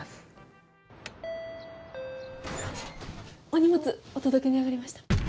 お荷物お届けに上がりました。